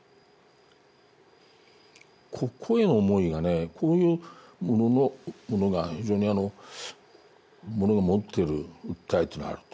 ここへの思いがねこういうものが非常にあのものが持っている訴えというのがあると。